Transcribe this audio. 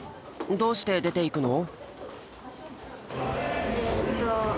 どうして出ていくの？